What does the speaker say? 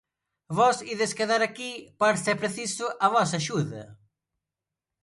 Vós ides quedar aquí por se preciso a vosa axuda.